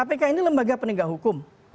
kpk ini lembaga penegak hukum